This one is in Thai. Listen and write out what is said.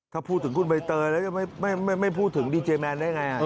ถ้าพูดถึงคุณใบเตยแล้วจะไม่พูดถึงดีเจแมนได้ไง